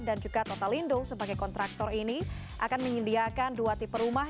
dan juga total indo sebagai kontraktor ini akan menyediakan dua tipe rumah